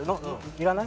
いらない？